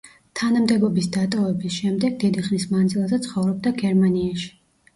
თანამდებობის დატოვების შემდეგ დიდი ხნის მანძილზე ცხოვრობდა გერმანიაში.